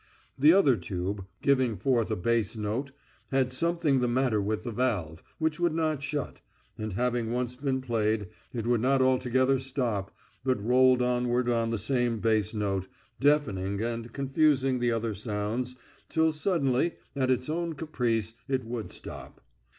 The other tube, giving forth a bass note, had something the matter with the valve, which would not shut, and having once been played it would not altogether stop, but rolled onward on the same bass note, deafening and confusing the other sounds, till suddenly, at its own caprice, it would stop.